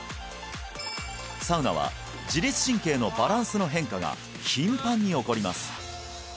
サウナは自律神経のバランスの変化が頻繁に起こります